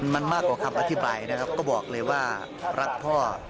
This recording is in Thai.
มันมากกว่าคำอธิบายนะครับก็บอกเลยว่ารักพ่อ